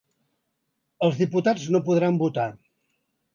Els diputats no podran votar.